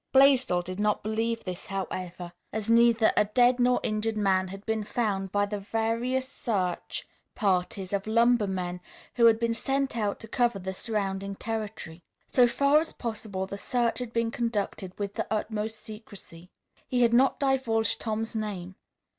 Blaisdell did not believe this, however, as neither a dead nor injured man had been found by the various search parties of lumber men who had been sent out to cover the surrounding territory. So far as possible the search had been conducted with the utmost secrecy. He had not divulged Tom's name.